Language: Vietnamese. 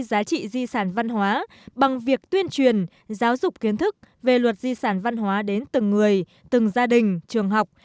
giá trị di sản văn hóa bằng việc tuyên truyền giáo dục kiến thức về luật di sản văn hóa đến từng người từng gia đình trường học